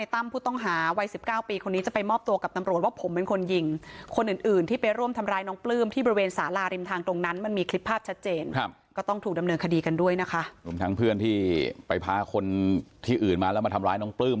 ตามกฎหมายก็จะให้เข้าพลุกแต่จริงก็ให้จัดท้ายไปเถอะ